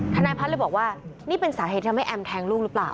ทนายพัฒน์เลยบอกว่านี่เป็นสาเหตุทำให้แอมแทงลูกหรือเปล่า